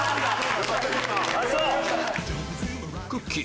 くっきー！